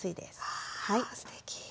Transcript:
あすてき。